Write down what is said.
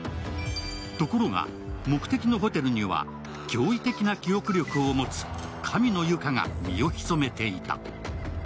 ところが、目的のホテルには、驚異的な記憶力を持つ紙野結花が身を潜めていた。